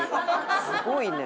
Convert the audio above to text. すごいね。